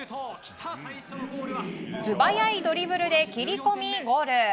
素早いドリブルで切り込みゴール！